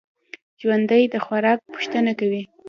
ژوندي د خوراک پوښتنه کوي